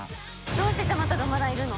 どうしてジャマトがまだいるの？